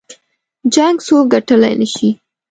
جـنګ څوك ګټلی نه شي